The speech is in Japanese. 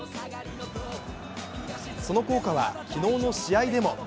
その効果は昨日の試合でも。